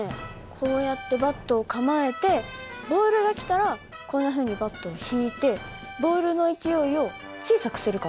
こうやってバットを構えてボールが来たらこんなふうにバットを引いてボールの勢いを小さくするかな。